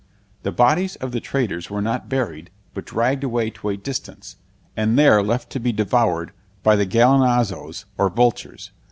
The bodies of the traitors were not buried, but dragged away to a distance, and there left to be devoured by the gallinazos or vultures.